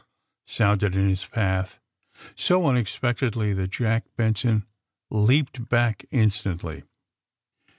"' sounded in his path so unexpect edly that Jack Benson leaped back instantly.